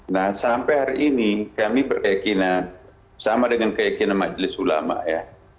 nah sampai hari ini kami berkeyakinan sama dengan keyakinan majelis ulama ya